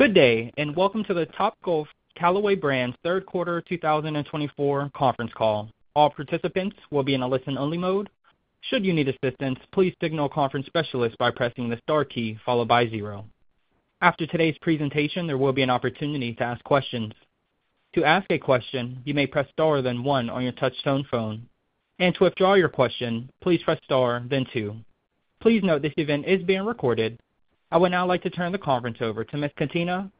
Good day, and welcome to the Topgolf Callaway Brands Third Quarter 2024 Conference Call. All participants will be in a listen-only mode. Should you need assistance, please signal a conference specialist by pressing the star key followed by zero. After today's presentation, there will be an opportunity to ask questions. To ask a question, you may press star then one on your touch-tone phone. And to withdraw your question, please press star then two. Please note this event is being recorded. I would now like to turn the conference over to Ms. Katina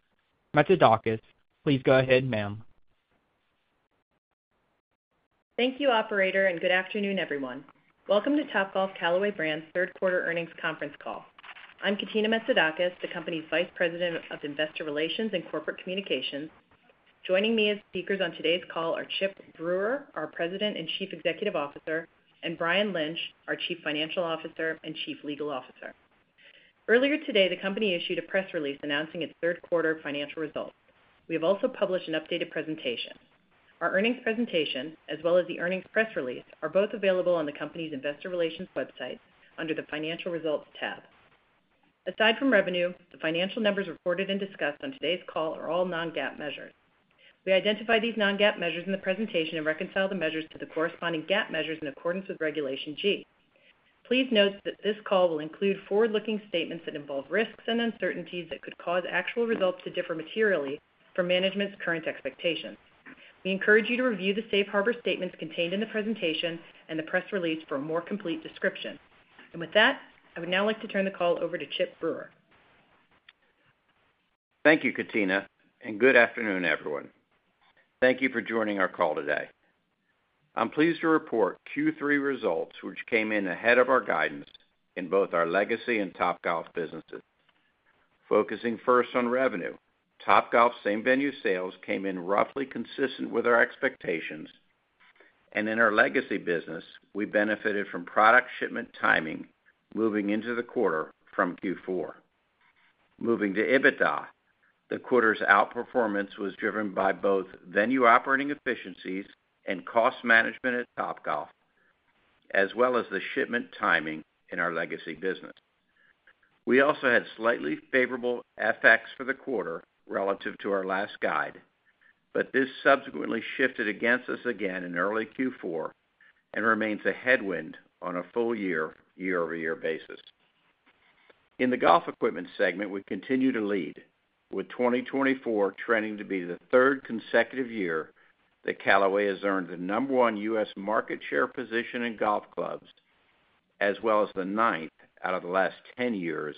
Metzidakis. Please go ahead, ma'am. Thank you, operator, and good afternoon, everyone. Welcome to Topgolf Callaway Brands Third Quarter Earnings Conference Call. I'm Katina Metzidakis, the company's Vice President of Investor Relations and Corporate Communications. Joining me as speakers on today's call are Chip Brewer, our President and Chief Executive Officer, and Brian Lynch, our Chief Financial Officer and Chief Legal Officer. Earlier today, the company issued a press release announcing its third quarter financial results. We have also published an updated presentation. Our earnings presentation, as well as the earnings press release, are both available on the company's investor relations website under the financial results tab. Aside from revenue, the financial numbers reported and discussed on today's call are all non-GAAP measures. We identify these non-GAAP measures in the presentation and reconcile the measures to the corresponding GAAP measures in accordance with Regulation G. Please note that this call will include forward-looking statements that involve risks and uncertainties that could cause actual results to differ materially from management's current expectations. We encourage you to review the safe harbor statements contained in the presentation and the press release for a more complete description, and with that, I would now like to turn the call over to Chip Brewer. Thank you, Katina, and good afternoon, everyone. Thank you for joining our call today. I'm pleased to report Q3 results, which came in ahead of our guidance in both our legacy and Topgolf businesses. Focusing first on revenue, Topgolf same venue sales came in roughly consistent with our expectations. In our legacy business, we benefited from product shipment timing moving into the quarter from Q4. Moving to EBITDA, the quarter's outperformance was driven by both venue operating efficiencies and cost management at Topgolf, as well as the shipment timing in our legacy business. We also had slightly favorable effects for the quarter relative to our last guide, but this subsequently shifted against us again in early Q4 and remains a headwind on a full year year-over-year basis. In the golf equipment segment, we continue to lead, with 2024 trending to be the third consecutive year that Callaway has earned the number one U.S. market share position in golf clubs, as well as the ninth out of the last 10 years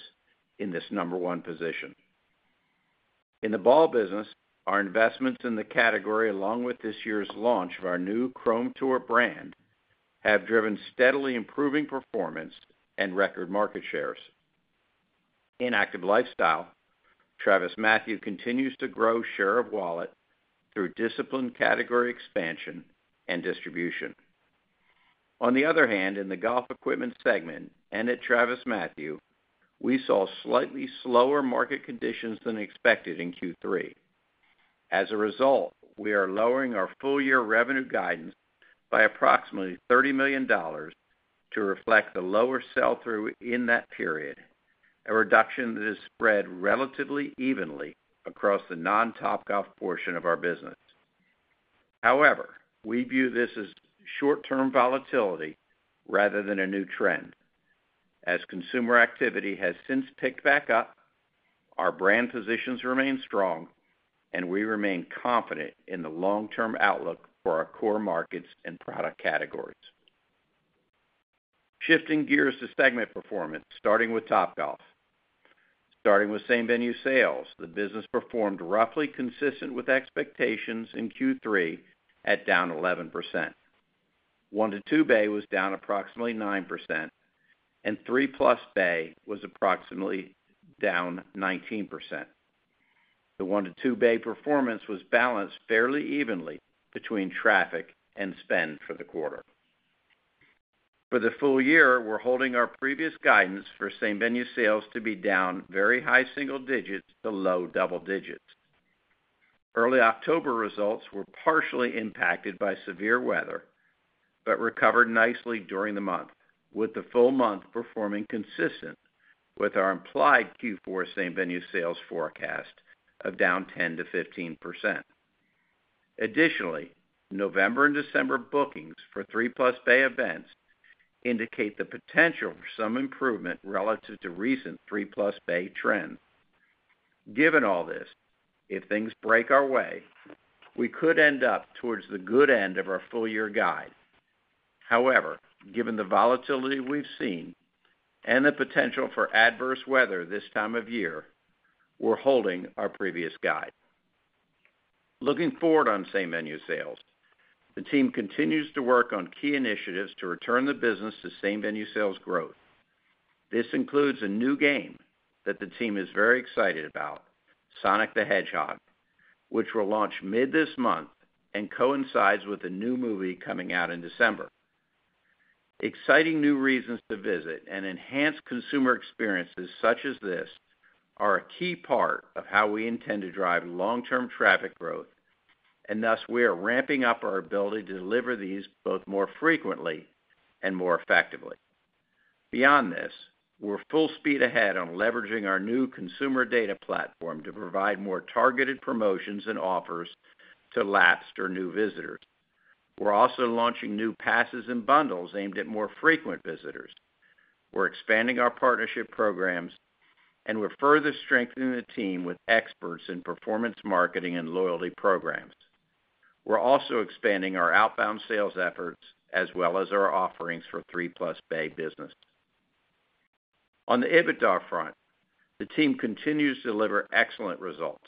in this number one position. In the ball business, our investments in the category, along with this year's launch of our new Chrome Tour brand, have driven steadily improving performance and record market shares. In active lifestyle, TravisMathew continues to grow share of wallet through disciplined category expansion and distribution. On the other hand, in the golf equipment segment and at TravisMathew, we saw slightly slower market conditions than expected in Q3. As a result, we are lowering our full year revenue guidance by approximately $30 million to reflect the lower sell-through in that period, a reduction that has spread relatively evenly across the non-Topgolf portion of our business. However, we view this as short-term volatility rather than a new trend. As consumer activity has since picked back up, our brand positions remain strong, and we remain confident in the long-term outlook for our core markets and product categories. Shifting gears to segment performance, starting with Topgolf. Starting with same venue sales, the business performed roughly consistent with expectations in Q3 at down 11%. 1-2 bay was down approximately 9%, and 3+ bay was approximately down 19%. The 1-2 bay performance was balanced fairly evenly between traffic and spend for the quarter. For the full year, we're holding our previous guidance for same venue sales to be down very high single digits to low double digits. Early October results were partially impacted by severe weather but recovered nicely during the month, with the full month performing consistent with our implied Q4 same venue sales forecast of down 10%-15%. Additionally, November and December bookings for 3+ bay events indicate the potential for some improvement relative to recent 3+ bay trends. Given all this, if things break our way, we could end up towards the good end of our full year guide. However, given the volatility we've seen and the potential for adverse weather this time of year, we're holding our previous guide. Looking forward on same venue sales, the team continues to work on key initiatives to return the business to same venue sales growth. This includes a new game that the team is very excited about, Sonic the Hedgehog, which will launch mid this month and coincides with a new movie coming out in December. Exciting new reasons to visit and enhanced consumer experiences such as this are a key part of how we intend to drive long-term traffic growth, and thus we are ramping up our ability to deliver these both more frequently and more effectively. Beyond this, we're full speed ahead on leveraging our new consumer data platform to provide more targeted promotions and offers to lapse or new visitors. We're also launching new passes and bundles aimed at more frequent visitors. We're expanding our partnership programs, and we're further strengthening the team with experts in performance marketing and loyalty programs. We're also expanding our outbound sales efforts as well as our offerings for 3+ bay businesses. On the EBITDA front, the team continues to deliver excellent results.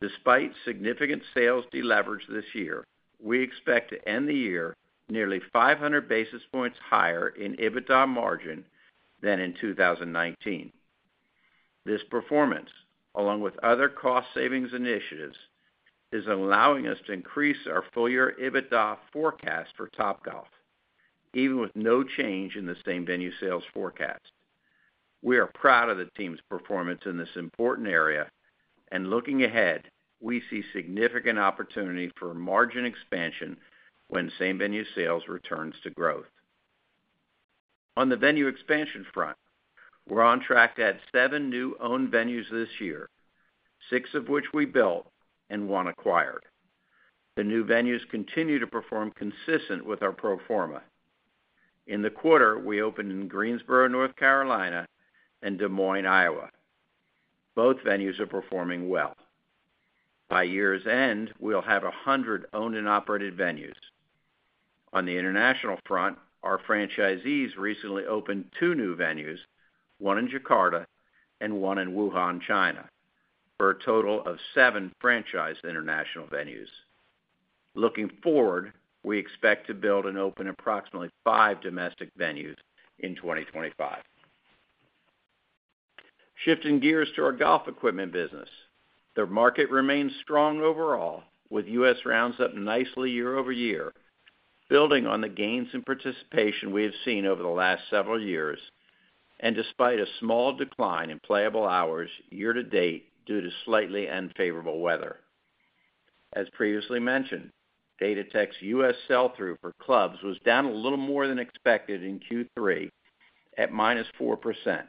Despite significant sales deleveraged this year, we expect to end the year nearly 500 basis points higher in EBITDA margin than in 2019. This performance, along with other cost savings initiatives, is allowing us to increase our full year EBITDA forecast for Topgolf, even with no change in the same venue sales forecast. We are proud of the team's performance in this important area, and looking ahead, we see significant opportunity for margin expansion when same venue sales returns to growth. On the venue expansion front, we're on track to add seven new owned venues this year, six of which we built and one acquired. The new venues continue to perform consistent with our pro forma. In the quarter, we opened in Greensboro, North Carolina, and Des Moines, Iowa. Both venues are performing well. By year's end, we'll have 100 owned and operated venues. On the international front, our franchisees recently opened two new venues, one in Jakarta and one in Wuhan, China, for a total of seven franchise international venues. Looking forward, we expect to build and open approximately five domestic venues in 2025. Shifting gears to our golf equipment business, the market remains strong overall, with U.S. rounds up nicely year-over-year, building on the gains in participation we have seen over the last several years, and despite a small decline in playable hours year to date due to slightly unfavorable weather. As previously mentioned, Golf Datatech U.S. sell-through for clubs was down a little more than expected in Q3 at -4%,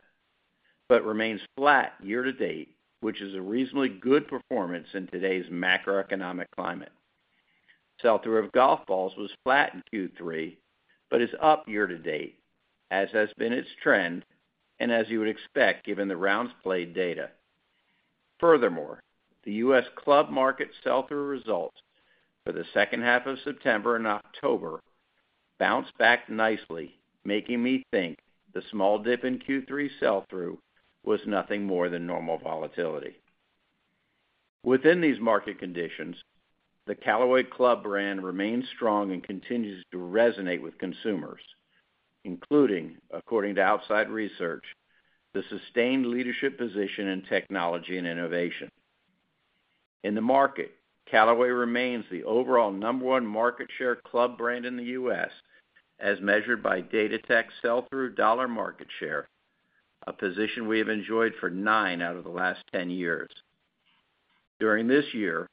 but remains flat year to date, which is a reasonably good performance in today's macroeconomic climate. Sell-through of golf balls was flat in Q3, but is up year to date, as has been its trend, and as you would expect given the rounds played data. Furthermore, the U.S. club market sell-through results for the second half of September and October bounced back nicely, making me think the small dip in Q3 sell-through was nothing more than normal volatility. Within these market conditions, the Callaway Club brand remains strong and continues to resonate with consumers, including, according to outside research, the sustained leadership position in technology and innovation. In the market, Callaway remains the overall number one market share club brand in the U.S., as measured by Golf Datatech sell-through dollar market share, a position we have enjoyed for nine out of the last 10 years. During this year,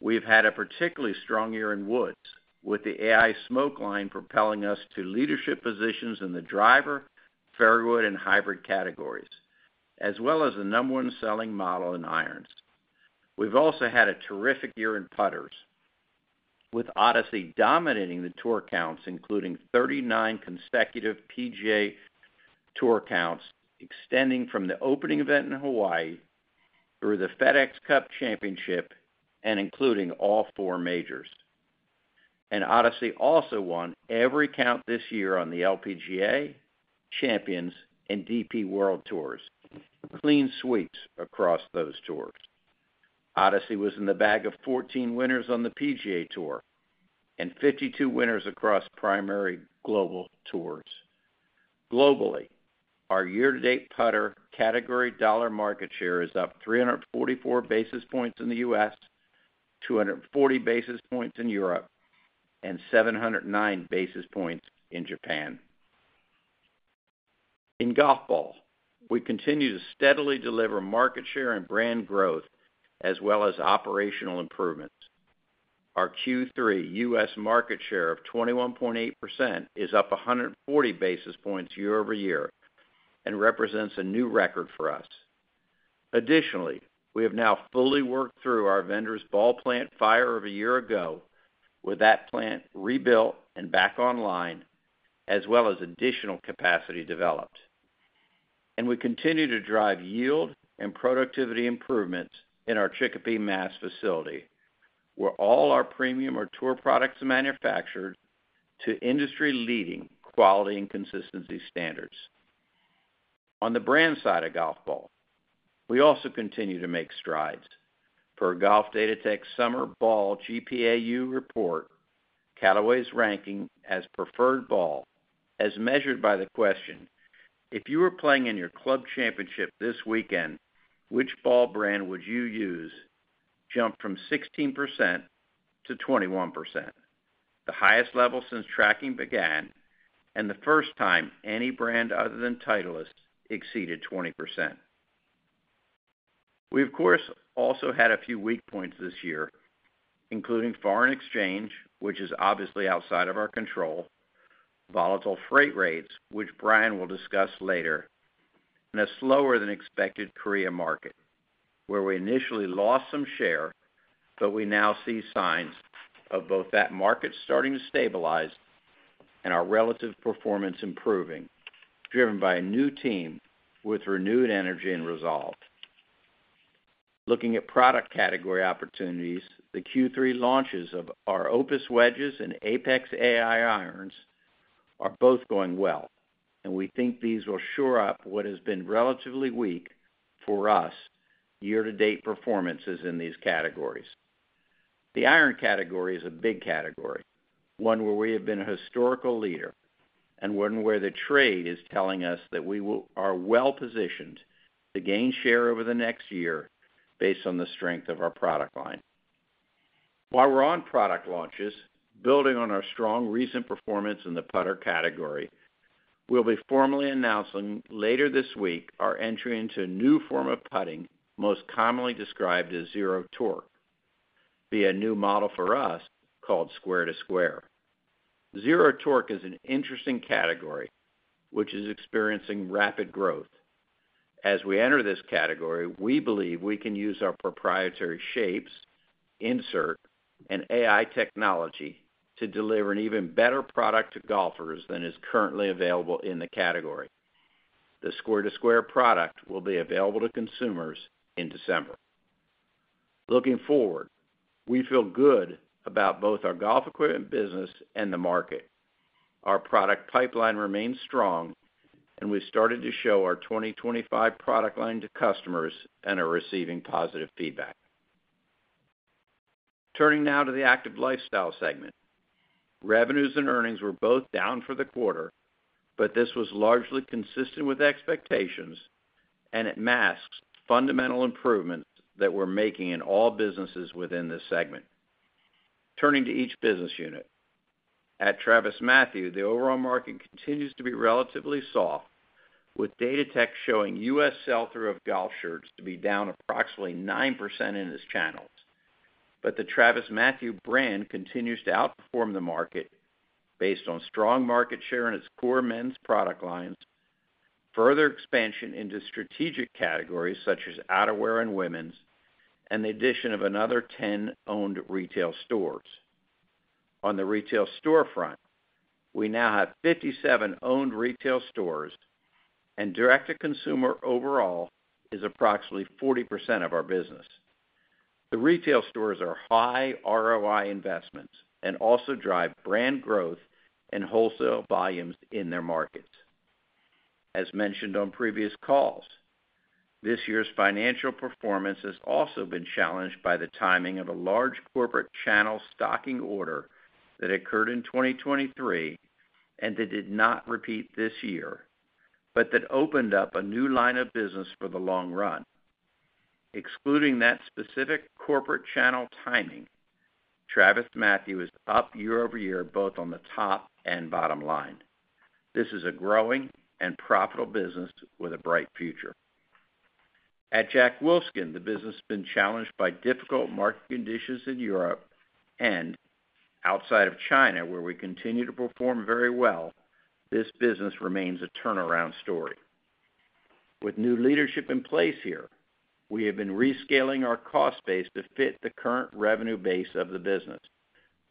we've had a particularly strong year in woods, with the Ai Smoke line propelling us to leadership positions in the driver, fairway, and hybrid categories, as well as the number one selling model in irons. We've also had a terrific year in putters, with Odyssey dominating the tour counts, including 39 consecutive PGA Tour counts extending from the opening event in Hawaii through the FedEx Cup Championship and including all four majors, and Odyssey also won every count this year on the LPGA, Champions, and DP World Tours, clean sweeps across those tours. Odyssey was in the bag of 14 winners on the PGA Tour and 52 winners across primary global tours. Globally, our year-to-date putter category dollar market share is up 344 basis points in the U.S., 240 basis points in Europe, and 709 basis points in Japan. In golf ball, we continue to steadily deliver market share and brand growth, as well as operational improvements. Our Q3 U.S. market share of 21.8% is up 140 basis points year-over-year and represents a new record for us. Additionally, we have now fully worked through our vendor's ball plant fire of a year ago, with that plant rebuilt and back online, as well as additional capacity developed. We continue to drive yield and productivity improvements in our Chicopee, Massachusetts facility, where all our premium or tour products are manufactured to industry-leading quality and consistency standards. On the brand side of golf ball, we also continue to make strides. For our Golf Datatech Summer Ball GPAU report, Callaway's ranking as preferred ball, as measured by the question, "If you were playing in your club championship this weekend, which ball brand would you use?" jumped from 16% to 21%, the highest level since tracking began, and the first time any brand other than Titleist exceeded 20%. We, of course, also had a few weak points this year, including foreign exchange, which is obviously outside of our control, volatile freight rates, which Brian will discuss later, and a slower-than-expected Korea market, where we initially lost some share, but we now see signs of both that market starting to stabilize and our relative performance improving, driven by a new team with renewed energy and resolve. Looking at product category opportunities, the Q3 launches of our Opus wedges and Apex Ai irons are both going well, and we think these will shore up what has been relatively weak for us year-to-date performances in these categories. The iron category is a big category, one where we have been a historical leader and one where the trade is telling us that we are well-positioned to gain share over the next year based on the strength of our product line. While we're on product launches, building on our strong recent performance in the putter category, we'll be formally announcing later this week our entry into a new form of putting, most commonly described as zero torque, via a new model for us called Square 2 Square. Zero Torque is an interesting category, which is experiencing rapid growth. As we enter this category, we believe we can use our proprietary shapes, insert, and AI technology to deliver an even better product to golfers than is currently available in the category. The Square 2 Square product will be available to consumers in December. Looking forward, we feel good about both our golf equipment business and the market. Our product pipeline remains strong, and we've started to show our 2025 product line to customers and are receiving positive feedback. Turning now to the active lifestyle segment, revenues and earnings were both down for the quarter, but this was largely consistent with expectations, and it masks fundamental improvements that we're making in all businesses within this segment. Turning to each business unit, at TravisMathew, the overall market continues to be relatively soft, with Datatech showing U.S. sell-through of golf shirts to be down approximately 9% in its channels. But the TravisMathew brand continues to outperform the market based on strong market share in its core men's product lines, further expansion into strategic categories such as outerwear and women's, and the addition of another 10 owned retail stores. On the retail storefront, we now have 57 owned retail stores, and direct-to-consumer overall is approximately 40% of our business. The retail stores are high ROI investments and also drive brand growth and wholesale volumes in their markets. As mentioned on previous calls, this year's financial performance has also been challenged by the timing of a large corporate channel stocking order that occurred in 2023 and that did not repeat this year, but that opened up a new line of business for the long run. Excluding that specific corporate channel timing, TravisMathew is up year-over-year both on the top and bottom line. This is a growing and profitable business with a bright future. At Jack Wolfskin, the business has been challenged by difficult market conditions in Europe and outside of China, where we continue to perform very well. This business remains a turnaround story. With new leadership in place here, we have been rescaling our cost base to fit the current revenue base of the business,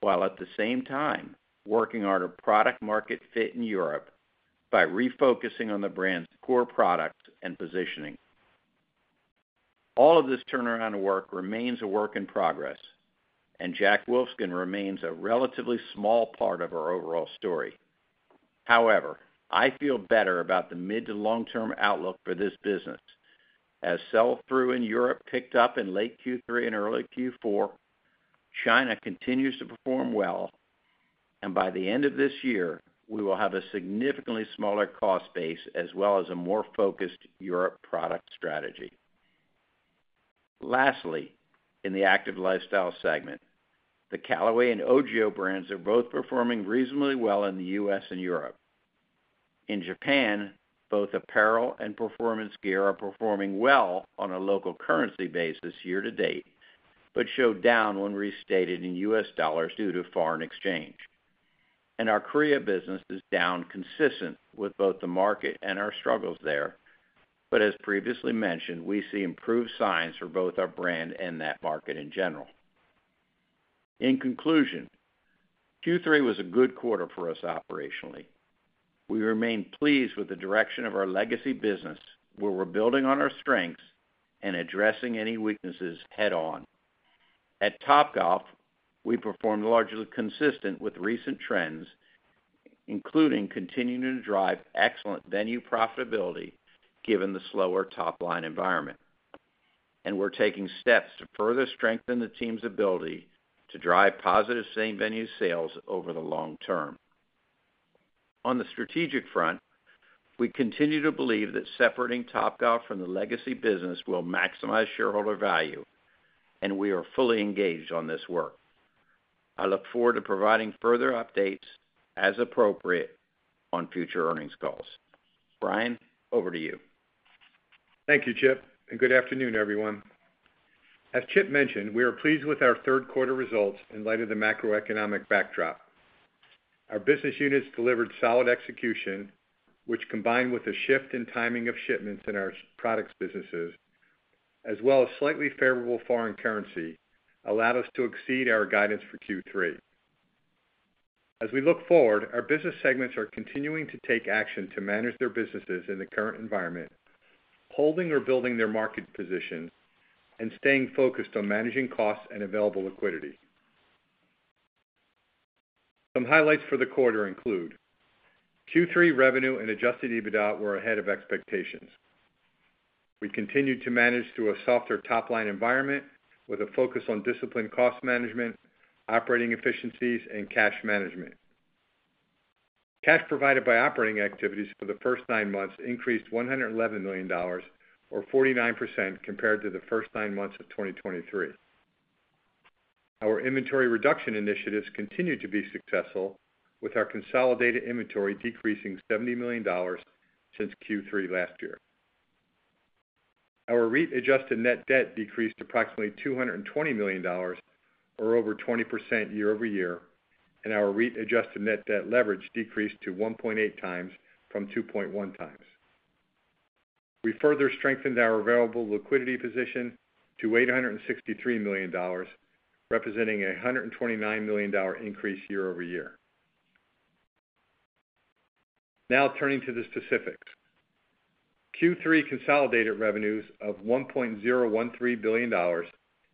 while at the same time working on our product market fit in Europe by refocusing on the brand's core products and positioning. All of this turnaround work remains a work in progress, and Jack Wolfskin remains a relatively small part of our overall story. However, I feel better about the mid to long-term outlook for this business. As sell-through in Europe picked up in late Q3 and early Q4, China continues to perform well, and by the end of this year, we will have a significantly smaller cost base as well as a more focused Europe product strategy. Lastly, in the active lifestyle segment, the Callaway and OGIO brands are both performing reasonably well in the U.S. and Europe. In Japan, both apparel and performance gear are performing well on a local currency basis year to date, but slowed down when restated in U.S. dollars due to foreign exchange, and our Korea business is down consistent with both the market and our struggles there, but as previously mentioned, we see improved signs for both our brand and that market in general. In conclusion, Q3 was a good quarter for us operationally. We remain pleased with the direction of our legacy business, where we're building on our strengths and addressing any weaknesses head-on. At Topgolf, we performed largely consistent with recent trends, including continuing to drive excellent venue profitability given the slower top line environment, and we're taking steps to further strengthen the team's ability to drive positive same venue sales over the long term. On the strategic front, we continue to believe that separating Topgolf from the legacy business will maximize shareholder value, and we are fully engaged on this work. I look forward to providing further updates as appropriate on future earnings calls. Brian, over to you. Thank you, Chip, and good afternoon, everyone. As Chip mentioned, we are pleased with our third quarter results in light of the macroeconomic backdrop. Our business units delivered solid execution, which combined with a shift in timing of shipments in our products businesses, as well as slightly favorable foreign currency, allowed us to exceed our guidance for Q3. As we look forward, our business segments are continuing to take action to manage their businesses in the current environment, holding or building their market position, and staying focused on managing costs and available liquidity. Some highlights for the quarter include Q3 revenue and adjusted EBITDA were ahead of expectations. We continued to manage through a softer top line environment with a focus on disciplined cost management, operating efficiencies, and cash management. Cash provided by operating activities for the first nine months increased $111 million, or 49%, compared to the first nine months of 2023. Our inventory reduction initiatives continued to be successful, with our consolidated inventory decreasing $70 million since Q3 last year. Our REIT-adjusted net debt decreased approximately $220 million, or over 20% year-over-year, and our REIT-adjusted net debt leverage decreased to 1.8x from 2.1x. We further strengthened our available liquidity position to $863 million, representing a $129 million increase year-over-year. Now turning to the specifics, Q3 consolidated revenues of $1.013 billion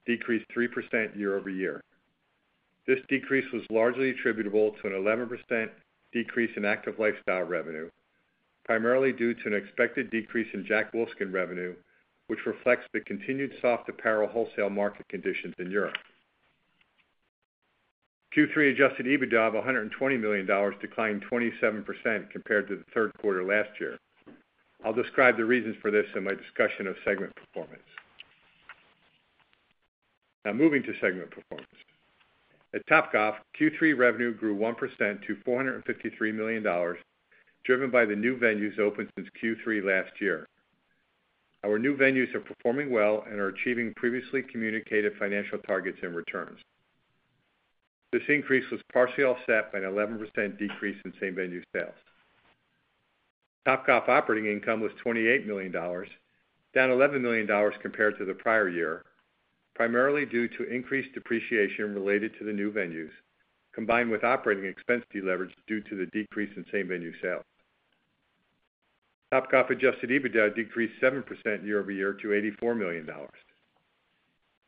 decreased 3% year-over-year. This decrease was largely attributable to an 11% decrease in active lifestyle revenue, primarily due to an expected decrease in Jack Wolfskin revenue, which reflects the continued soft apparel wholesale market conditions in Europe. Q3 adjusted EBITDA of $120 million declined 27% compared to the third quarter last year. I'll describe the reasons for this in my discussion of segment performance. Now moving to segment performance. At Topgolf, Q3 revenue grew 1% to $453 million, driven by the new venues opened since Q3 last year. Our new venues are performing well and are achieving previously communicated financial targets and returns. This increase was partially offset by an 11% decrease in same venue sales. Topgolf operating income was $28 million, down $11 million compared to the prior year, primarily due to increased depreciation related to the new venues, combined with operating expenses deleveraged due to the decrease in same venue sales. Topgolf adjusted EBITDA decreased 7% year-over-year to $84 million.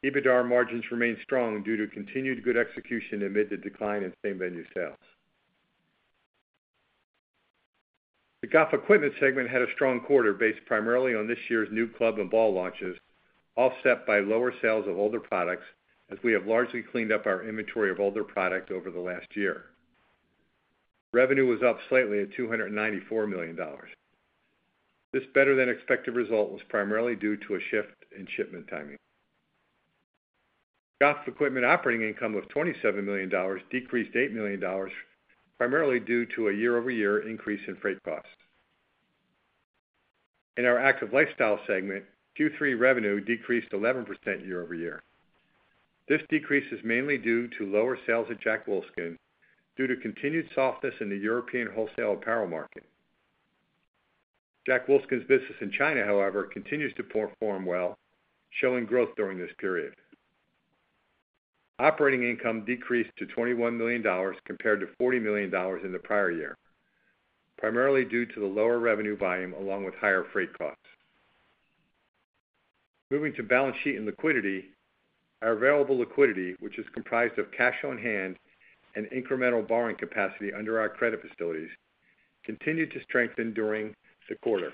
EBITDA margins remain strong due to continued good execution amid the decline in same venue sales. The golf equipment segment had a strong quarter based primarily on this year's new club and ball launches, offset by lower sales of older products, as we have largely cleaned up our inventory of older product over the last year. Revenue was up slightly at $294 million. This better-than-expected result was primarily due to a shift in shipment timing. Golf equipment operating income of $27 million decreased $8 million, primarily due to a year-over-year increase in freight costs. In our active lifestyle segment, Q3 revenue decreased 11% year-over-year. This decrease is mainly due to lower sales at Jack Wolfskin due to continued softness in the European wholesale apparel market. Jack Wolfskin's business in China, however, continues to perform well, showing growth during this period. Operating income decreased to $21 million compared to $40 million in the prior year, primarily due to the lower revenue volume along with higher freight costs. Moving to balance sheet and liquidity, our available liquidity, which is comprised of cash on hand and incremental borrowing capacity under our credit facilities, continued to strengthen during the quarter.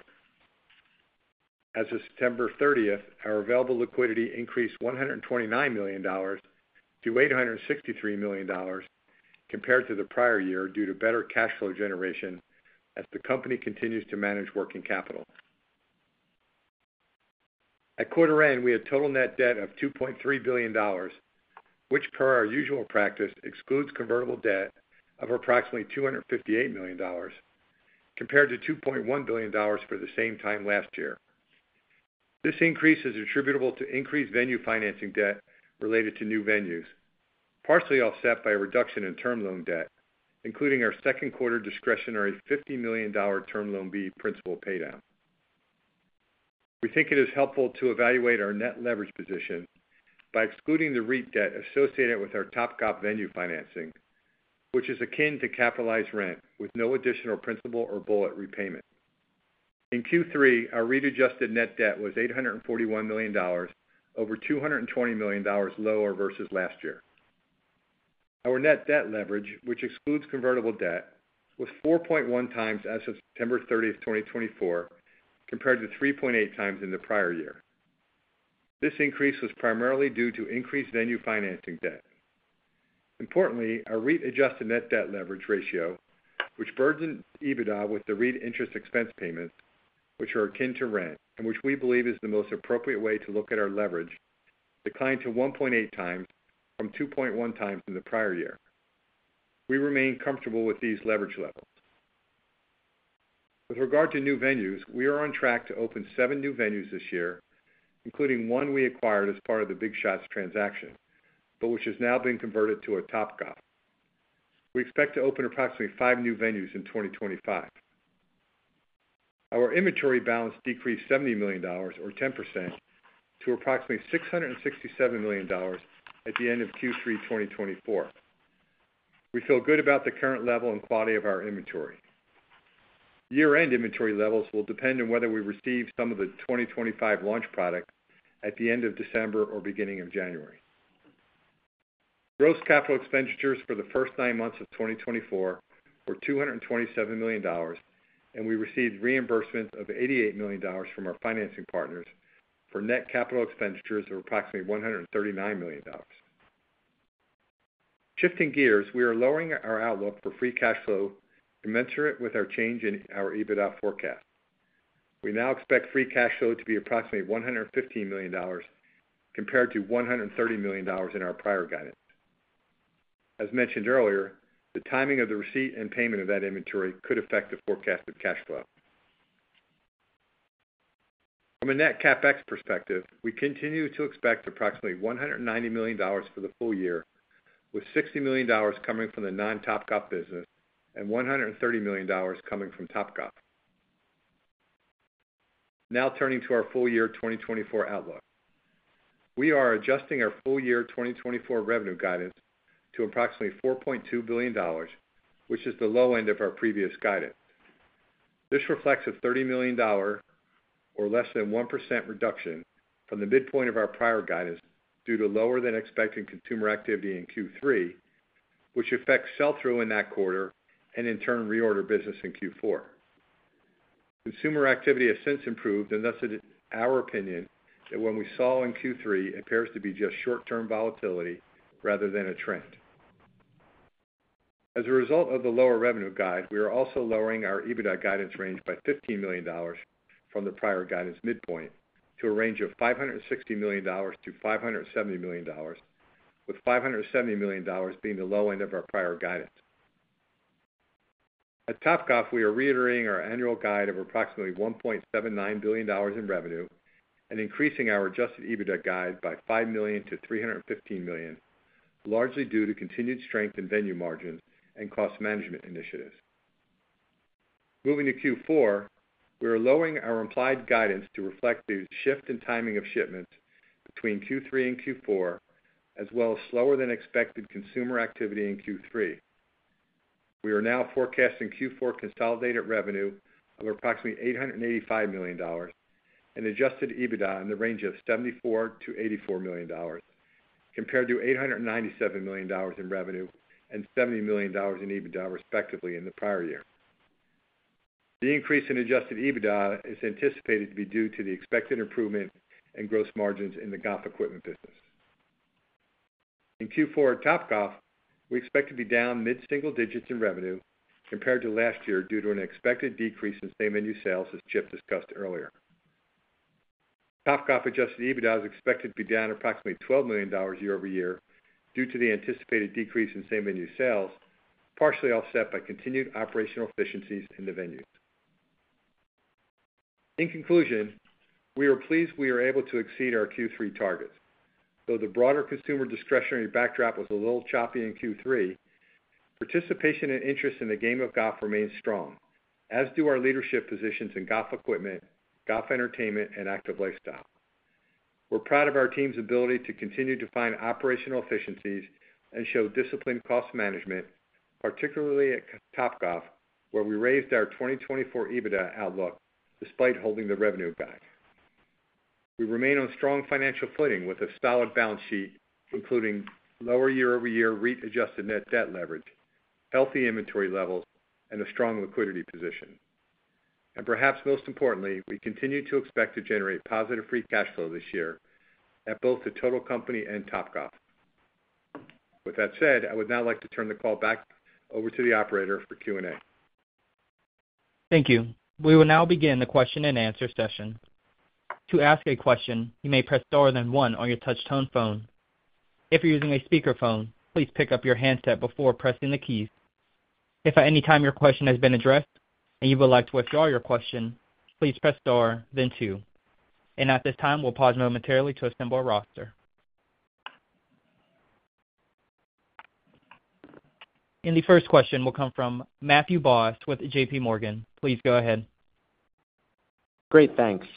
As of September 30th, our available liquidity increased $129 million to $863 million compared to the prior year due to better cash flow generation as the company continues to manage working capital. At quarter end, we had total net debt of $2.3 billion, which, per our usual practice, excludes convertible debt of approximately $258 million, compared to $2.1 billion for the same time last year. This increase is attributable to increased venue financing debt related to new venues, partially offset by a reduction in term loan debt, including our second quarter discretionary $50 million Term Loan B principal paydown. We think it is helpful to evaluate our net leverage position by excluding the REIT-adjusted net debt associated with our Topgolf venue financing, which is akin to capitalized rent with no additional principal or bullet repayment. In Q3, our REIT-adjusted net debt was $841 million, over $220 million lower versus last year. Our net debt leverage, which excludes convertible debt, was 4.1x as of September 30th, 2024, compared to 3.8x in the prior year. This increase was primarily due to increased venue financing debt. Importantly, our REIT-adjusted net debt leverage ratio, which burdens EBITDA with the REIT interest expense payments, which are akin to rent and which we believe is the most appropriate way to look at our leverage, declined to 1.8x from 2.1x in the prior year. We remain comfortable with these leverage levels. With regard to new venues, we are on track to open seven new venues this year, including one we acquired as part of the Big Shots transaction, but which has now been converted to a Topgolf. We expect to open approximately five new venues in 2025. Our inventory balance decreased $70 million, or 10%, to approximately $667 million at the end of Q3 2024. We feel good about the current level and quality of our inventory. Year-end inventory levels will depend on whether we receive some of the 2025 launch product at the end of December or beginning of January. Gross capital expenditures for the first nine months of 2024 were $227 million, and we received reimbursements of $88 million from our financing partners for net capital expenditures of approximately $139 million. Shifting gears, we are lowering our outlook for free cash flow commensurate with our change in our EBITDA forecast. We now expect free cash flow to be approximately $115 million compared to $130 million in our prior guidance. As mentioned earlier, the timing of the receipt and payment of that inventory could affect the forecasted cash flow. From a net CapEx perspective, we continue to expect approximately $190 million for the full year, with $60 million coming from the non-Topgolf business and $130 million coming from Topgolf. Now turning to our full year 2024 outlook, we are adjusting our full year 2024 revenue guidance to approximately $4.2 billion, which is the low end of our previous guidance. This reflects a $30 million, or less than 1%, reduction from the midpoint of our prior guidance due to lower-than-expected consumer activity in Q3, which affects sell-through in that quarter and, in turn, reorder business in Q4. Consumer activity has since improved, and that's our opinion that when we saw in Q3, it appears to be just short-term volatility rather than a trend. As a result of the lower revenue guide, we are also lowering our EBITDA guidance range by $15 million from the prior guidance midpoint to a range of $560 million-$570 million, with $570 million being the low end of our prior guidance. At Topgolf, we are reiterating our annual guide of approximately $1.79 billion in revenue and increasing our adjusted EBITDA guide by $5 million to $315 million, largely due to continued strength in venue margins and cost management initiatives. Moving to Q4, we are lowering our implied guidance to reflect the shift in timing of shipments between Q3 and Q4, as well as slower-than-expected consumer activity in Q3. We are now forecasting Q4 consolidated revenue of approximately $885 million and adjusted EBITDA in the range of $74 million-$84 million, compared to $897 million in revenue and $70 million in EBITDA, respectively, in the prior year. The increase in Adjusted EBITDA is anticipated to be due to the expected improvement in gross margins in the golf equipment business. In Q4 at Topgolf, we expect to be down mid-single digits in revenue compared to last year due to an expected decrease in same venue sales, as Chip discussed earlier. Topgolf Adjusted EBITDA is expected to be down approximately $12 million year-over-year due to the anticipated decrease in same venue sales, partially offset by continued operational efficiencies in the venues. In conclusion, we are pleased we are able to exceed our Q3 targets. Though the broader consumer discretionary backdrop was a little choppy in Q3, participation and interest in the game of golf remains strong, as do our leadership positions in golf equipment, golf entertainment, and active lifestyle. We're proud of our team's ability to continue to find operational efficiencies and show disciplined cost management, particularly at Topgolf, where we raised our 2024 EBITDA outlook despite holding the revenue guide. We remain on strong financial footing with a solid balance sheet, including lower year-over-year REIT-adjusted net debt leverage, healthy inventory levels, and a strong liquidity position, and perhaps most importantly, we continue to expect to generate positive free cash flow this year at both the total company and Topgolf. With that said, I would now like to turn the call back over to the operator for Q&A. Thank you. We will now begin the question-and-answer session. To ask a question, you may press star then one on your touch-tone phone. If you're using a speakerphone, please pick up your handset before pressing the keys. If at any time your question has been addressed and you would like to withdraw your question, please press star, then two. And at this time, we'll pause momentarily to assemble a roster. And the first question will come from Matthew Boss with JPMorgan. Please go ahead. Great. Thanks.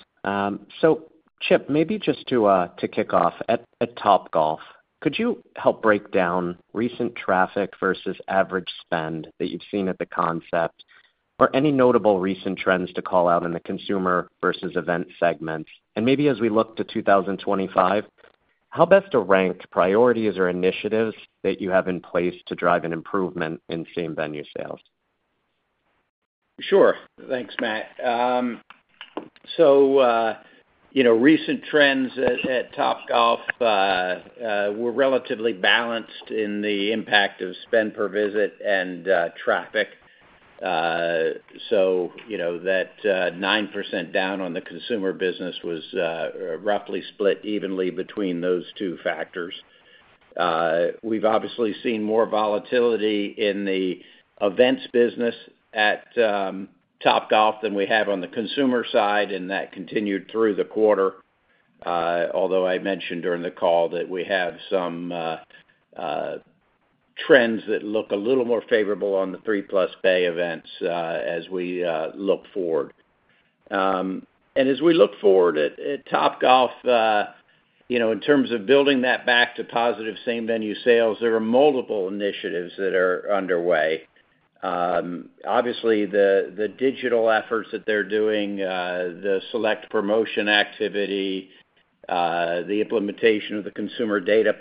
So, Chip, maybe just to kick off, at Topgolf, could you help break down recent traffic versus average spend that you've seen at the concept or any notable recent trends to call out in the consumer versus event segments? And maybe as we look to 2025, how best to rank priorities or initiatives that you have in place to drive an improvement in same venue sales? Sure. Thanks, Matt. So recent trends at Topgolf were relatively balanced in the impact of spend per visit and traffic. So that 9% down on the consumer business was roughly split evenly between those two factors. We've obviously seen more volatility in the events business at Topgolf than we have on the consumer side, and that continued through the quarter, although I mentioned during the call that we have some trends that look a little more favorable on the 3+ Bay events as we look forward. And as we look forward at Topgolf, in terms of building that back to positive same venue sales, there are multiple initiatives that are underway. Obviously, the digital efforts that they're doing, the select promotion activity, the implementation of the consumer data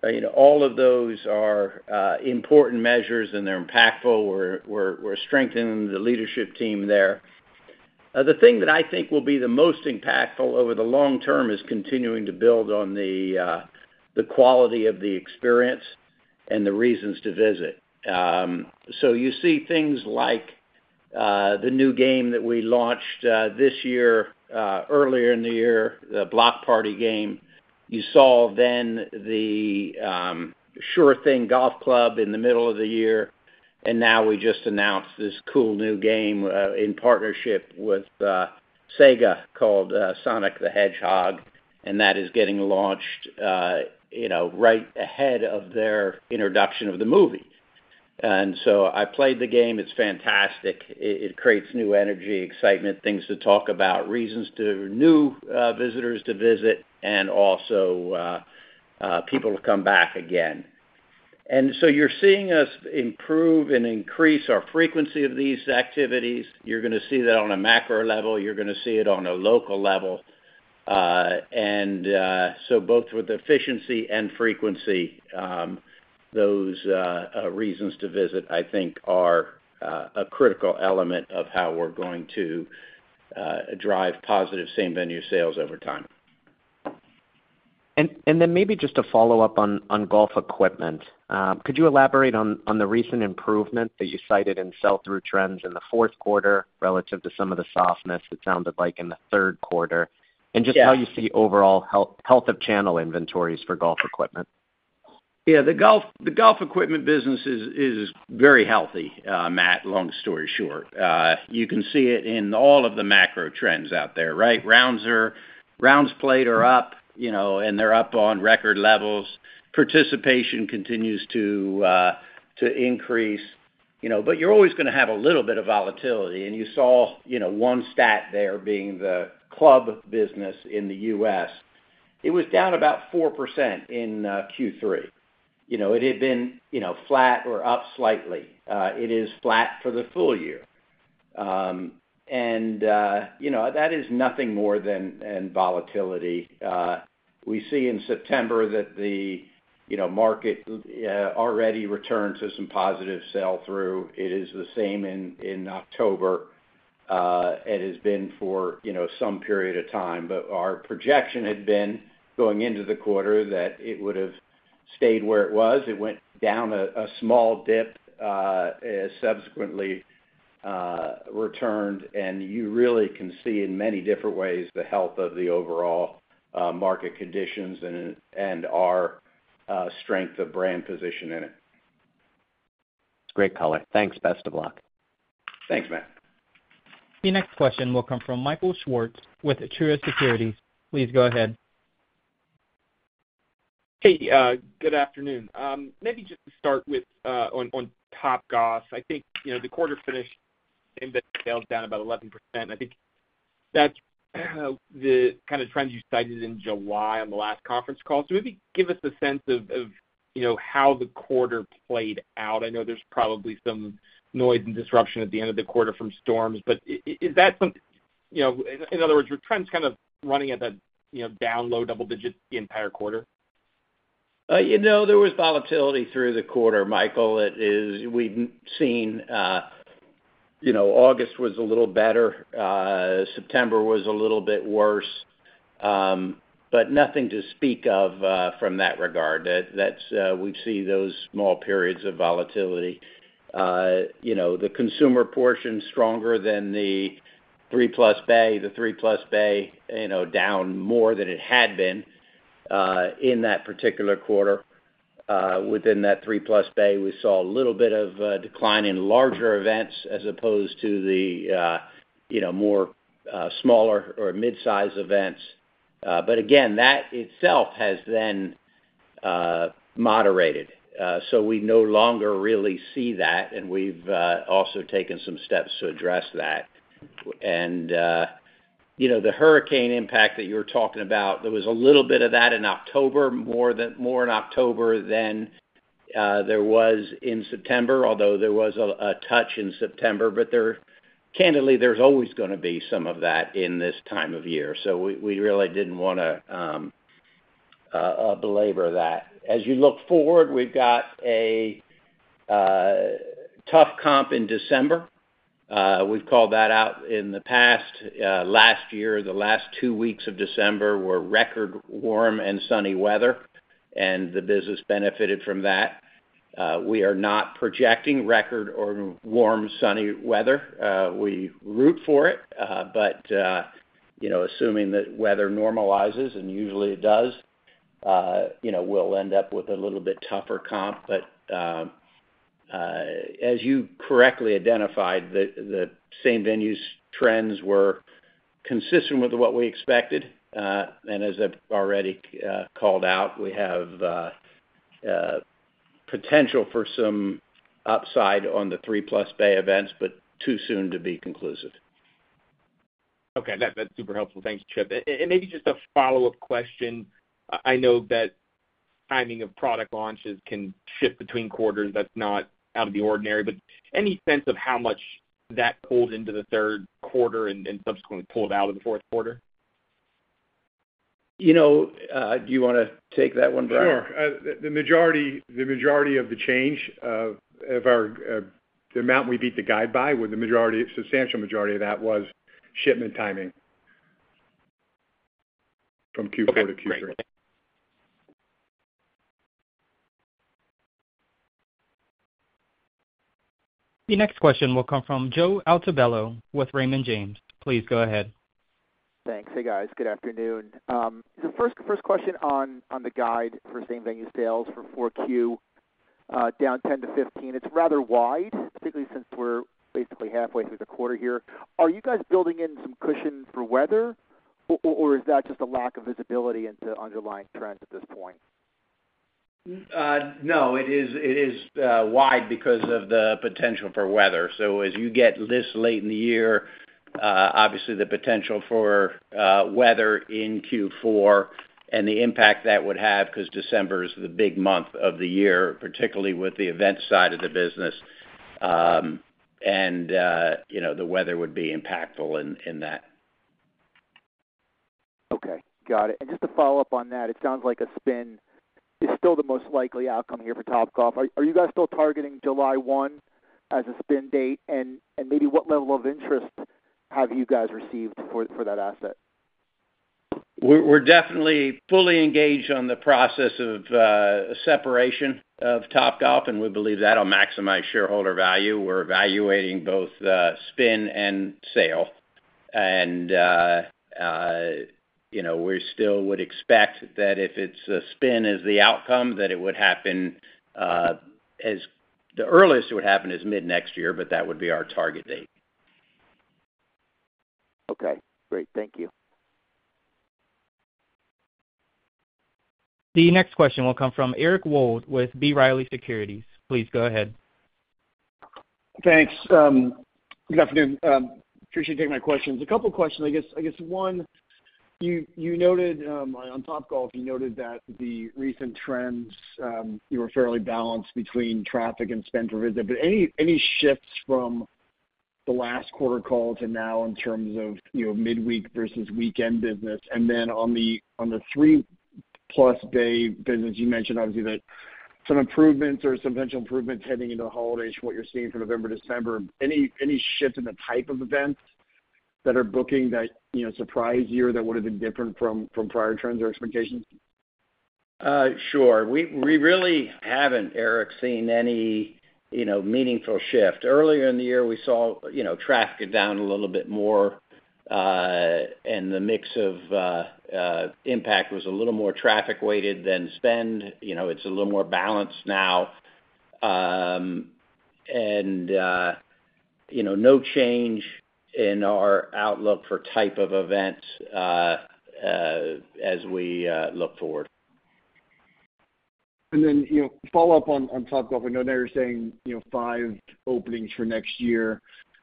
platform, all of those are important measures, and they're impactful. We're strengthening the leadership team there. The thing that I think will be the most impactful over the long term is continuing to build on the quality of the experience and the reasons to visit. So you see things like the new game that we launched this year, earlier in the year, the Block Party game. You saw then the Sure Thing golf club in the middle of the year, and now we just announced this cool new game in partnership with Sega called Sonic the Hedgehog, and that is getting launched right ahead of their introduction of the movie. And so I played the game. It's fantastic. It creates new energy, excitement, things to talk about, reasons for new visitors to visit, and also people to come back again. And so you're seeing us improve and increase our frequency of these activities. You're going to see that on a macro level. You're going to see it on a local level, and so both with efficiency and frequency, those reasons to visit, I think, are a critical element of how we're going to drive positive same venue sales over time, and then maybe just to follow up on golf equipment, could you elaborate on the recent improvement that you cited in sell-through trends in the fourth quarter relative to some of the softness it sounded like in the third quarter and just how you see overall health of channel inventories for golf equipment? Yeah. The golf equipment business is very healthy, Matt, long story short. You can see it in all of the macro trends out there, right? Rounds played are up, and they're up on record levels. Participation continues to increase, but you're always going to have a little bit of volatility. And you saw one stat there being the club business in the U.S. It was down about 4% in Q3. It had been flat or up slightly. It is flat for the full year. And that is nothing more than volatility. We see in September that the market already returned to some positive sell-through. It is the same in October as it has been for some period of time. But our projection had been going into the quarter that it would have stayed where it was. It went down a small dip, subsequently returned, and you really can see in many different ways the health of the overall market conditions and our strength of brand position in it. Great color. Thanks. Best of luck. Thanks, Matt. The next question will come from Michael Swartz with Truist Securities. Please go ahead. Hey, good afternoon. Maybe just to start with on Topgolf, I think the quarter finished same venue sales down about 11%. I think that's the kind of trend you cited in July on the last conference call. So maybe give us a sense of how the quarter played out. I know there's probably some noise and disruption at the end of the quarter from storms, but is that something? In other words, were trends kind of running at a down low double digit the entire quarter? There was volatility through the quarter, Michael. We've seen August was a little better. September was a little bit worse, but nothing to speak of from that regard. We've seen those small periods of volatility. The consumer portion stronger than the 3+ bay. The 3+ bay down more than it had been in that particular quarter. Within that 3+ bay, we saw a little bit of decline in larger events as opposed to the more smaller or mid-size events. But again, that itself has then moderated. So we no longer really see that, and we've also taken some steps to address that. And the hurricane impact that you were talking about, there was a little bit of that in October, more in October than there was in September, although there was a touch in September. But candidly, there's always going to be some of that in this time of year. So we really didn't want to belabor that. As you look forward, we've got a tough comp in December. We've called that out in the past. Last year, the last two weeks of December were record warm and sunny weather, and the business benefited from that. We are not projecting record or warm sunny weather. We root for it, but assuming that weather normalizes, and usually it does, we'll end up with a little bit tougher comp. But as you correctly identified, the same venues' trends were consistent with what we expected, and as I've already called out, we have potential for some upside on the 3+ bay events, but too soon to be conclusive. Okay. That's super helpful. Thanks, Chip, and maybe just a follow-up question. I know that timing of product launches can shift between quarters. That's not out of the ordinary, but any sense of how much that pulled into the third quarter and subsequently pulled out of the fourth quarter? Do you want to take that one, Brian? Sure. The majority of the change of the amount we beat the guide by, the substantial majority of that was shipment timing from Q4 to Q3. The next question will come from Joe Altobello with Raymond James. Please go ahead. Thanks. Hey, guys. Good afternoon. The first question on the guide for same venue sales for 4Q down 10%-15%. It's rather wide, particularly since we're basically halfway through the quarter here. Are you guys building in some cushion for weather, or is that just a lack of visibility into underlying trends at this point? No. It is wide because of the potential for weather. So as you get this late in the year, obviously, the potential for weather in Q4 and the impact that would have because December is the big month of the year, particularly with the event side of the business, and the weather would be impactful in that. Okay. Got it. And just to follow up on that, it sounds like a spin is still the most likely outcome here for Topgolf. Are you guys still targeting July 1 as a spin date? And maybe what level of interest have you guys received for that asset? We're definitely fully engaged on the process of separation of Topgolf, and we believe that'll maximize shareholder value. We're evaluating both spin and sale. And we still would expect that if it's a spin as the outcome, that it would happen, as the earliest it would happen is mid next year, but that would be our target date. Okay. Great. Thank you. The next question will come from Eric Wold with B. Riley Securities. Please go ahead. Thanks. Good afternoon. Appreciate you taking my questions. A couple of questions. I guess one, on Topgolf, you noted that the recent trends were fairly balanced between traffic and spend per visit. But any shifts from the last quarter call to now in terms of midweek versus weekend business? And then on the 3+ bay business, you mentioned obviously that some improvements or some potential improvements heading into the holidays from what you're seeing for November, December. Any shift in the type of events that are booking that surprise you or that would have been different from prior trends or expectations? Sure. We really haven't, Eric, seen any meaningful shift. Earlier in the year, we saw traffic had down a little bit more, and the mix of impact was a little more traffic-weighted than spend. It's a little more balanced now. And no change in our outlook for type of events as we look forward. And then follow up on Topgolf. I know now you're saying five openings for next year.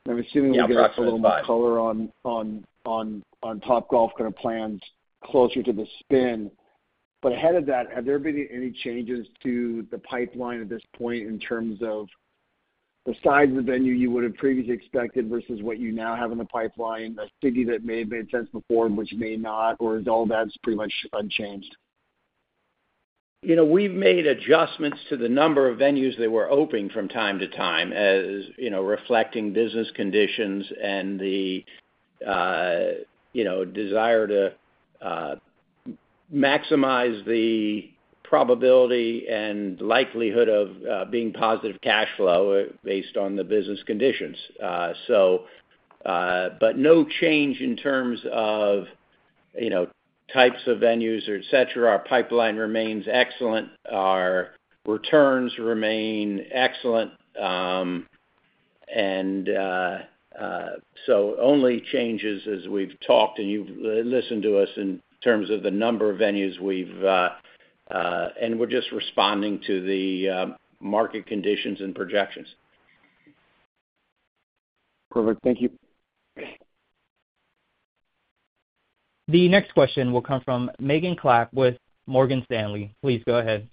I'm assuming we get a little more color on Topgolf kind of plans closer to the spin. But ahead of that, have there been any changes to the pipeline at this point in terms of the size of the venue you would have previously expected versus what you now have in the pipeline, a city that may have made sense before which may not, or is all that pretty much unchanged? We've made adjustments to the number of venues that we're opening from time to time as reflecting business conditions and the desire to maximize the probability and likelihood of being positive cash flow based on the business conditions. But no change in terms of types of venues, etc. Our pipeline remains excellent. Our returns remain excellent. And so only changes as we've talked and you've listened to us in terms of the number of venues we have, and we're just responding to the market conditions and projections. Perfect. Thank you. The next question will come from Megan Clapp with Morgan Stanley. Please go ahead.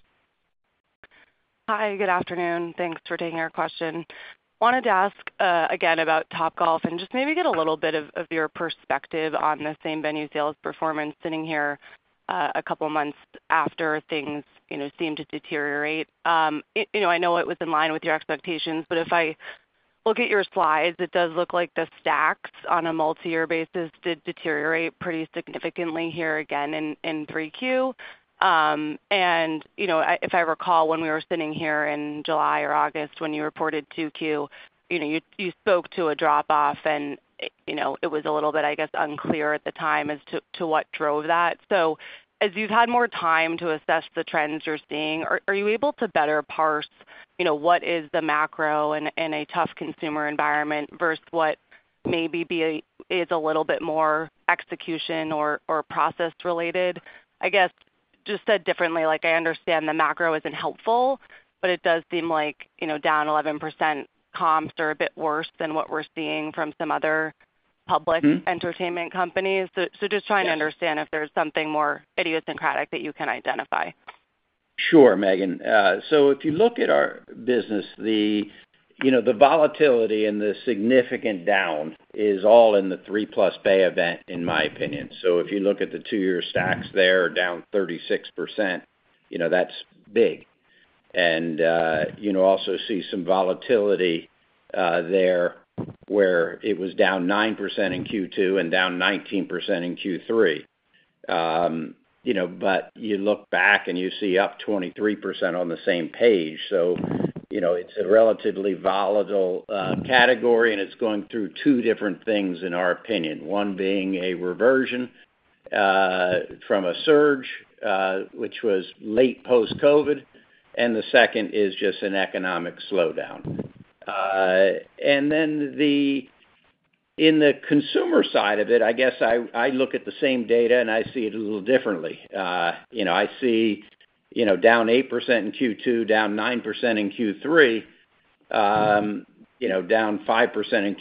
Hi. Good afternoon. Thanks for taking our question. Wanted to ask again about Topgolf and just maybe get a little bit of your perspective on the same venue sales performance sitting here a couple of months after things seemed to deteriorate. I know it was in line with your expectations, but if I look at your slides, it does look like the stacks on a multi-year basis did deteriorate pretty significantly here again in 3Q. And if I recall, when we were sitting here in July or August when you reported 2Q, you spoke to a drop-off, and it was a little bit, I guess, unclear at the time as to what drove that. So as you've had more time to assess the trends you're seeing, are you able to better parse what is the macro in a tough consumer environment versus what maybe is a little bit more execution or process-related? I guess just said differently, I understand the macro isn't helpful, but it does seem like down 11% comps are a bit worse than what we're seeing from some other public entertainment companies. So just trying to understand if there's something more idiosyncratic that you can identify. Sure, Megan. So if you look at our business, the volatility and the significant down is all in the 3+ bay event, in my opinion. So if you look at the two-year stacks there, down 36%, that's big. And also see some volatility there where it was down 9% in Q2 and down 19% in Q3. But you look back and you see up 23% on the same page. So it's a relatively volatile category, and it's going through two different things, in our opinion. One being a reversion from a surge, which was late post-COVID, and the second is just an economic slowdown. And then in the consumer side of it, I guess I look at the same data and I see it a little differently. I see down 8% in Q2, down 9% in Q3, down 5% in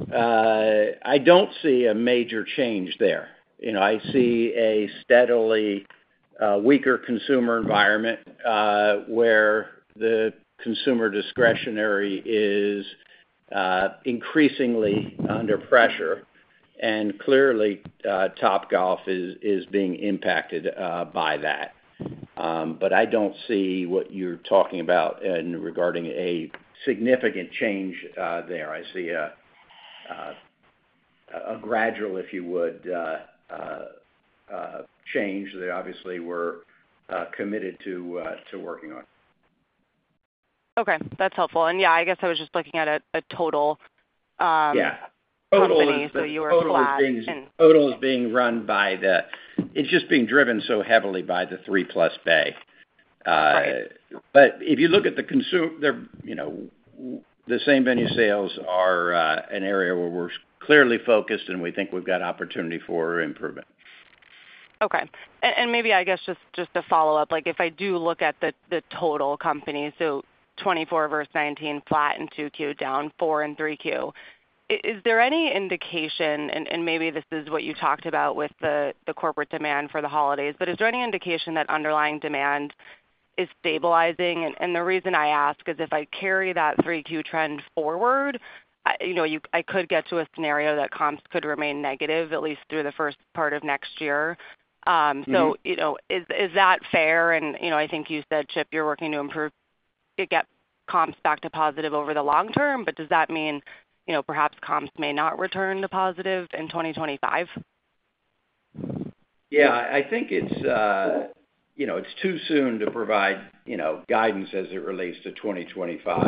Q1. I don't see a major change there. I see a steadily weaker consumer environment where the consumer discretionary is increasingly under pressure. And clearly, Topgolf is being impacted by that. But I don't see what you're talking about regarding a significant change there. I see a gradual, if you would, change that obviously we're committed to working on. Okay. That's helpful. And yeah, I guess I was just looking at a total company. So you were flat. Total is being run by the it's just being driven so heavily by the 3+ bay. But if you look at the same venue sales, are an area where we're clearly focused and we think we've got opportunity for improvement. Okay. And maybe I guess just to follow up, if I do look at the total company, so 24% versus 19%, flat in 2Q, down 4% in 3Q, is there any indication, and maybe this is what you talked about with the corporate demand for the holidays, but is there any indication that underlying demand is stabilizing? And the reason I ask is if I carry that 3Q trend forward, I could get to a scenario that comps could remain negative, at least through the first part of next year. So is that fair? And I think you said, Chip, you're working to improve to get comps back to positive over the long term, but does that mean perhaps comps may not return to positive in 2025? Yeah. I think it's too soon to provide guidance as it relates to 2025.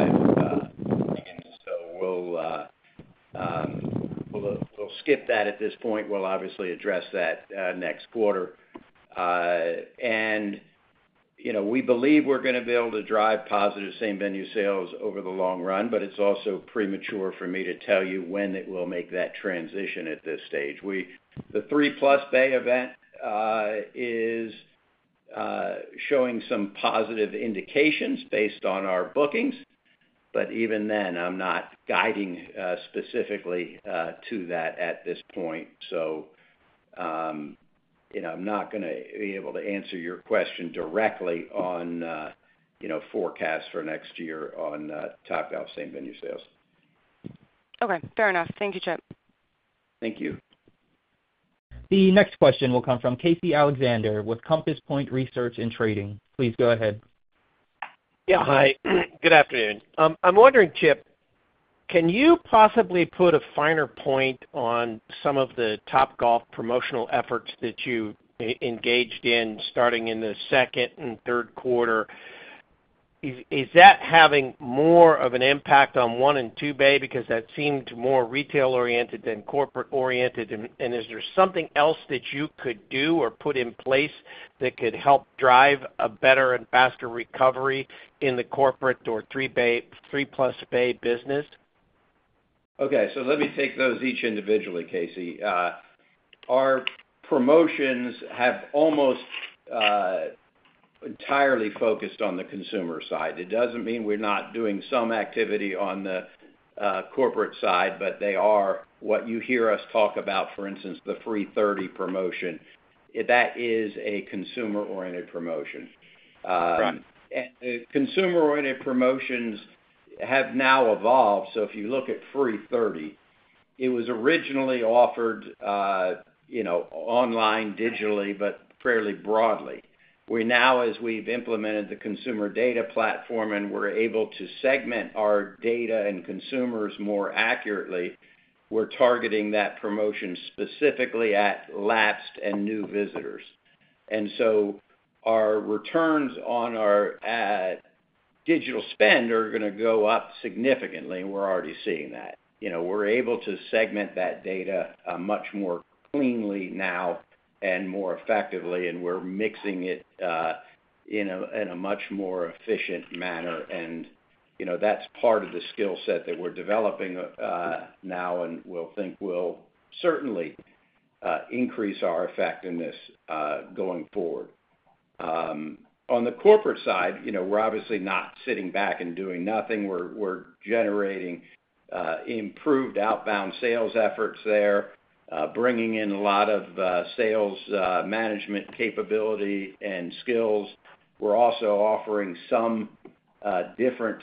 So we'll skip that at this point. We'll obviously address that next quarter. And we believe we're going to be able to drive positive same venue sales over the long run, but it's also premature for me to tell you when it will make that transition at this stage. The 3+ bay event is showing some positive indications based on our bookings, but even then, I'm not guiding specifically to that at this point. So I'm not going to be able to answer your question directly on forecasts for next year on Topgolf same venue sales. Okay. Fair enough. Thank you, Chip. Thank you. The next question will come from Casey Alexander with Compass Point Research & Trading. Please go ahead. Yeah. Hi. Good afternoon. I'm wondering, Chip, can you possibly put a finer point on some of the Topgolf promotional efforts that you engaged in starting in the second and third quarter? Is that having more of an impact on 1 and 2 bay because that seemed more retail-oriented than corporate-oriented? Is there something else that you could do or put in place that could help drive a better and faster recovery in the corporate or 3+ bay business? Okay. So let me take those each individually, Casey. Our promotions have almost entirely focused on the consumer side. It doesn't mean we're not doing some activity on the corporate side, but they are what you hear us talk about, for instance, the Free 30 promotion. That is a consumer-oriented promotion. And the consumer-oriented promotions have now evolved. So if you look at Free 30, it was originally offered online digitally, but fairly broadly. Now, as we've implemented the Consumer Data Platform and we're able to segment our data and consumers more accurately, we're targeting that promotion specifically at lapsed and new visitors. Our returns on our digital spend are going to go up significantly, and we're already seeing that. We're able to segment that data much more cleanly now and more effectively, and we're mixing it in a much more efficient manner. That's part of the skill set that we're developing now and we'll think will certainly increase our effectiveness going forward. On the corporate side, we're obviously not sitting back and doing nothing. We're generating improved outbound sales efforts there, bringing in a lot of sales management capability and skills. We're also offering some different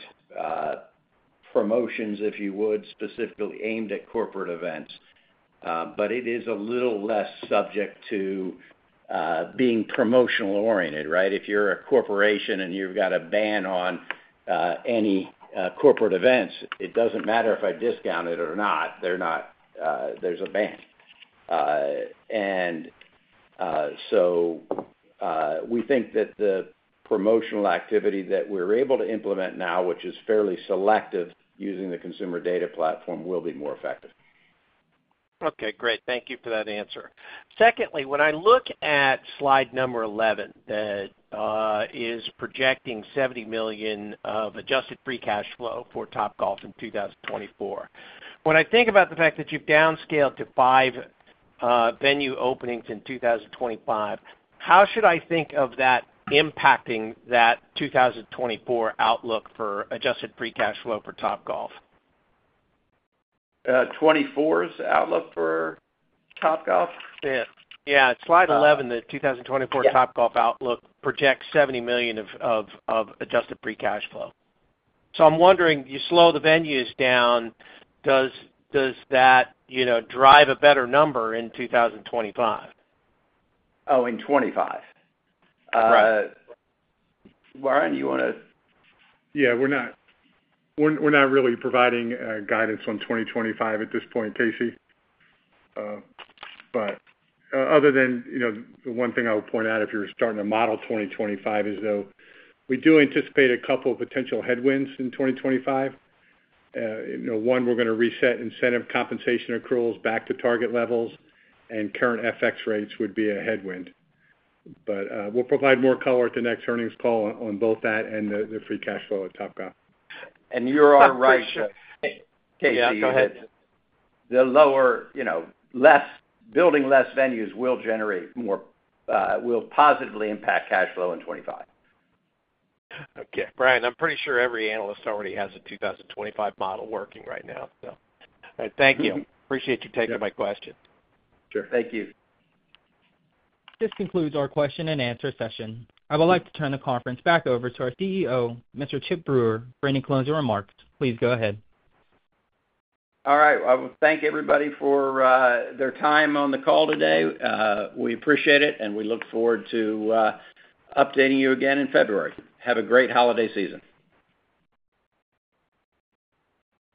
promotions, if you would, specifically aimed at corporate events. But it is a little less subject to being promotional-oriented, right? If you're a corporation and you've got a ban on any corporate events, it doesn't matter if I discount it or not. There's a ban. And so we think that the promotional activity that we're able to implement now, which is fairly selective using the consumer data platform, will be more effective. Okay. Great. Thank you for that answer. Secondly, when I look at slide number 11 that is projecting $70 million of adjusted free cash flow for Topgolf in 2024, when I think about the fact that you've downscaled to five venue openings in 2025, how should I think of that impacting that 2024 outlook for adjusted free cash flow for Topgolf? 2024's outlook for Topgolf? Yeah. Slide 11, the 2024 Topgolf outlook projects $70 million of adjusted free cash flow. So I'm wondering, you slow the venues down, does that drive a better number in 2025? Oh, in 2025. Brian, you want to? Yeah. We're not really providing guidance on 2025 at this point, Casey. But other than the one thing I would point out if you're starting to model 2025 is though we do anticipate a couple of potential headwinds in 2025. One, we're going to reset incentive compensation accruals back to target levels, and current FX rates would be a headwind. But we'll provide more color at the next earnings call on both that and the free cash flow at Topgolf. And you're all right, Chip. Casey, the lower building venues will generate more positively impact cash flow in 2025. Okay. Brian, I'm pretty sure every analyst already has a 2025 model working right now, so. All right. Thank you. Appreciate you taking my question. Sure. Thank you. This concludes our question and answer session. I would like to turn the conference back over to our CEO, Mr. Chip Brewer, for any closing remarks. Please go ahead. All right. Thank everybody for their time on the call today. We appreciate it, and we look forward to updating you again in February. Have a great holiday season.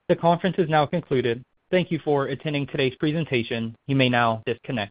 The conference is now concluded. Thank you for attending today's presentation. You may now disconnect.